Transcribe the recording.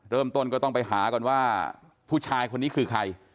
เริ่มต้นก็ต้องไปหาก่อนว่าผู้ชายคนนี้คือใคร